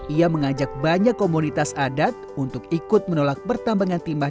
ia mengajak banyak komunitas adat untuk ikut menolak pertambangan timah